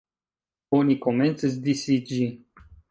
Oni komencis disiĝi.